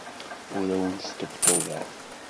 Ur awent-sṭebṭubeɣ.